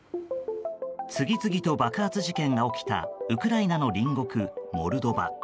次々と爆発事件が起きたウクライナの隣国モルドバ。